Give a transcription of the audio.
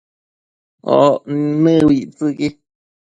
oc nëbictsëqui